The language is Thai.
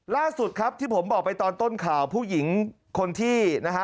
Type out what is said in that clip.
ล่าสุดครับที่ผมบอกไปตอนต้นข่าวผู้หญิงคนที่นะฮะ